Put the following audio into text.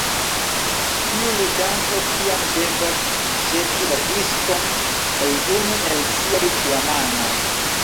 Tiu ludanto tiam devas ĵeti la diskon al unu el siaj teamanoj.